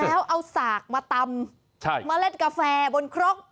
แล้วเอาสากมาตำมาเล่นกาแฟบนครก